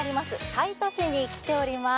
西都市に来ております。